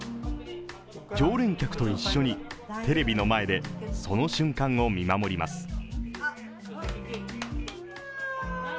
常連客と一緒にテレビの前でその瞬間を見守ります。